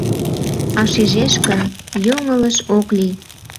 А шижеш гын, йоҥылыш ок лий.